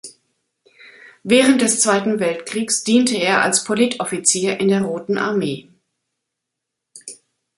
Während des Zweiten Weltkriegs diente er als Politoffizier in der Roten Armee.